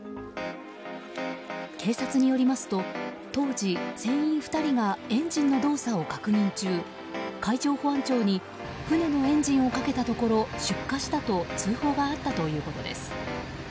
警察によりますと当時、船員２人がエンジンの動作を確認中海上保安庁に船のエンジンをかけたところ出火したと通報があったということです。